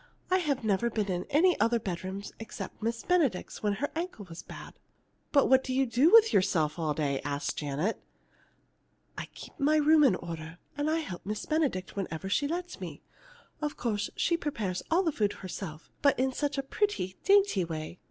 I have never been in any of the other bedrooms except Miss Benedict's, when her ankle was bad." "But what do you do with yourself all day?" asked Janet. "I keep my room in order, and help Miss Benedict whenever she lets me. Of course, she prepares all the food herself, but in such a pretty, dainty way.